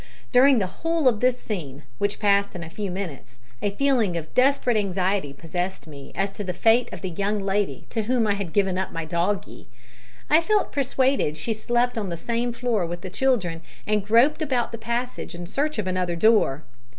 During the whole of this scene which passed in a few minutes a feeling of desperate anxiety possessed me as to the fate of the young lady to whom I had given up my doggie. I felt persuaded she slept on the same floor with the children, and groped about the passage in search of another door.